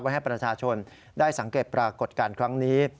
ให้ประชาชนได้สังเกตปรากฏการณ์ครั้งนี้